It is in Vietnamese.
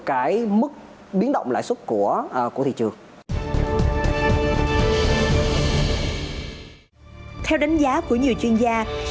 cái mức biến động lãi suất của thị trường